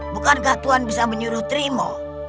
bukankah tuhan bisa menyuruh trimu